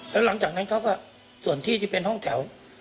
แล้วหลังจากนั้นเขาก็ส่วนที่จะเป็นห้องแถว